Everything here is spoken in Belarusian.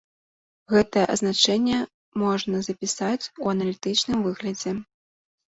Гэтае азначэнне можна запісаць у аналітычным выглядзе.